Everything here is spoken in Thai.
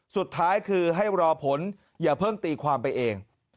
สุดท้ายคือให้รอผลอย่าเพิ่งตีความไปเอง